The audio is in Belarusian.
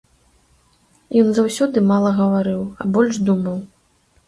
Ён заўсёды мала гаварыў, а больш думаў.